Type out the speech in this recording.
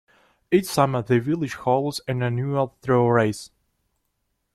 Each summer the village holds an annual Straw Race.